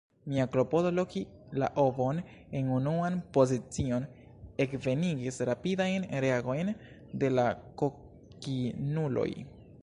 Mia klopodo loki la ovon en unuan pozicion ekvenigis rapidajn reagojn de la kokinuloj.